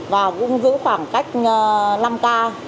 và cũng giữ khoảng cách năm k